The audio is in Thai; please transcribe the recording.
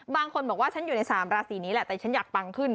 บางคนบอกว่าฉันอยู่ใน๓ราศีนี้แหละแต่ฉันอยากปังขึ้น